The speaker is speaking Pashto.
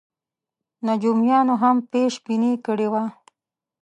نجومیانو هم پېش بیني کړې وه.